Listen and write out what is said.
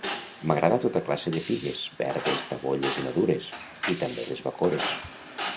M'agrada tota classe de figues: verdes, tabolles i madures. I també les bacores.